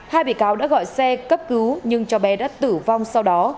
hai bị cáo đã gọi xe cấp cứu nhưng cháu bé đã tử vong sau đó